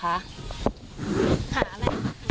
หาอะไร